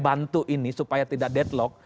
bantu ini supaya tidak deadlock